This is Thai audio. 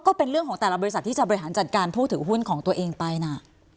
ก็เป็นเรื่องของแต่ละบริษัทที่จะบริหารจัดการผู้ถือหุ้นของตัวเองไปนะ